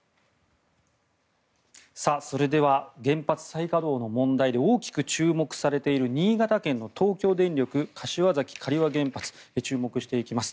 それでは原発再稼働の問題で大きく注目されている新潟県の東京電力柏崎刈羽原発に注目していきます。